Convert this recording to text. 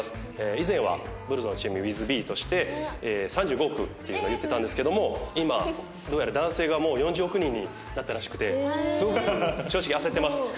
以前はブルゾンちえみｗｉｔｈＢとして「３５億」って言ってたんですけども今どうやら男性がもう４０億人になったらしくてすごく正直焦ってます。